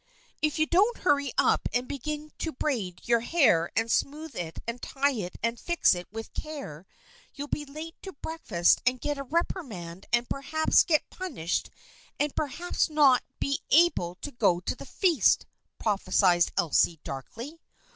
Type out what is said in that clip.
" If you don't hurry up and begin to braid your hair, and smooth it and tie it and fix it with care, you will be late to breakfast and get a reprimand and perhaps get punished and perhaps not be able to go to the feast," prophesied Elsie darkly.